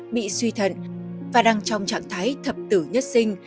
bị suy thận và đang trong trạng thái thập tử nhất sinh